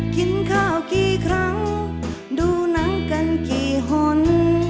กินข้าวกี่ครั้งดูหนังกันกี่คน